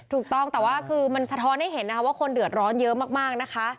ถูกต้องแต่ว่าคือมันสะท้อนให้เห็นนะคะว่าคนเดือดร้อนเยอะมากนะคะ